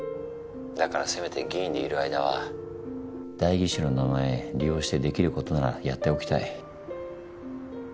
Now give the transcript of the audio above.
だからせめて議員でいる間は代議士の名前利用してできることならやっておきたい。